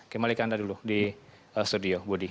kembalikan anda dulu di studio budi